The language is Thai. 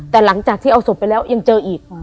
แต่หลังจากที่เอาศพไปแล้วยังเจออีก